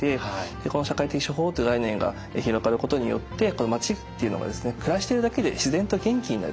この「社会的処方」という概念が広がることによってこの町っていうのが暮らしてるだけで自然と元気になる。